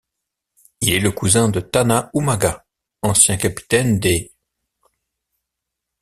Il est le cousin de Tana Umaga, ancien capitaine des '.